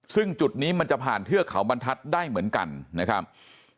ซึ่งจุดนี้มันจะผ่านเทือกเขาบรรทัศน์ได้เหมือนกันนะครับ